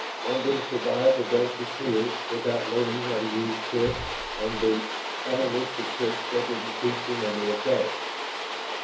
One didn't survive the Dumps of Tyr without learning how to use fists, and boots, and a list of tricks they didn't teach in any academy.